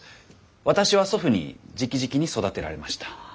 私は祖父にじきじきに育てられました。